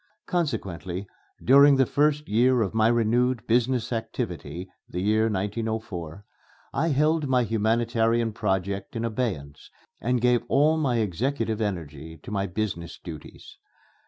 Consequently, during the first year of my renewed business activity (the year 1904), I held my humanitarian project in abeyance and gave all my executive energy to my business duties.